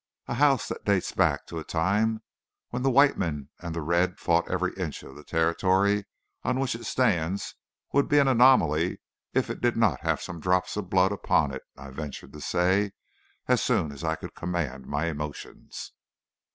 "A house that dates back to a time when the white men and the red fought every inch of the territory on which it stands would be an anomaly if it did not have some drops of blood upon it," I ventured to say, as soon as I could command my emotions.